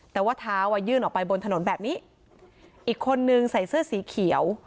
แต่ว่าเท้าอ่ะยื่นออกไปบนถนนแบบนี้อีกคนนึงใส่เสื้อสีเขียว